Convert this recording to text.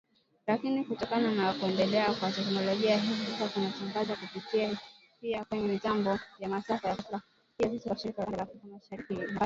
Lakini kutokana na kuendelea kwa teknolojia hivi sasa tunatangaza kupitia pia kwenye mitambo ya Masafa ya kati kupitia redio zetu kwa shirika za kanda ya Afrika Mashariki na Kati